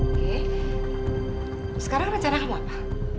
oke sekarang rencanamu apa